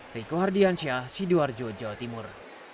riko hardiansyah sidoarjo jawa timur